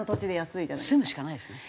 住むしかないですね。